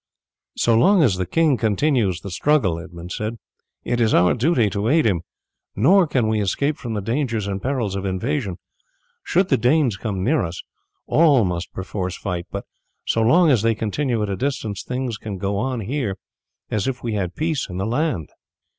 "So long as the king continues the struggle," he said, "it is our duty to aid him, nor can we escape from the dangers and perils of invasion. Should the Danes come near us all must perforce fight, but so long as they continue at a distance things can go on here as if we had peace in the land."